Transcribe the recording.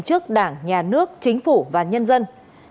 trước đảng nhà nước chính phủ và nhân dân